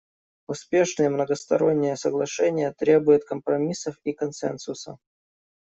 Успешные многосторонние соглашения требуют компромиссов и консенсуса.